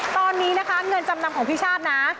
ตอนนี้นะคะเงินจำนำของพี่ชาตินะ